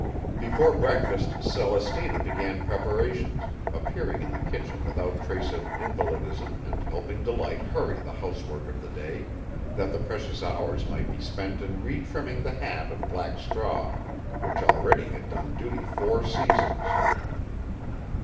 Before breakfast Celestina began preparations, appearing in the kitchen without trace of invalidism and helping Delight hurry the housework out of the way, that the precious hours might be spent in retrimming the hat of black straw which already had done duty four seasons.